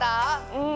うん。